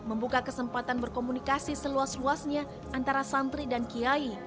membuka kesempatan berkomunikasi seluas luasnya antara santri dan kiai